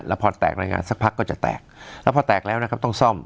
แล้วพอแตกรายงานสักพักก็จะแตกแล้วพอแตกแล้วนะครับต้องซ่อม